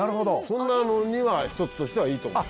そんなのには一つとしてはいいと思う。